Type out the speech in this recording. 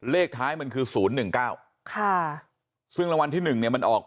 เลขท้ายมันคือศูนย์หนึ่งเก้าซึ่งรางวัลที่หนึ่งเนี่ยมันออก